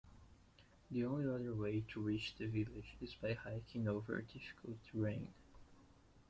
The only other way to reach the village is by hiking over difficult terrain.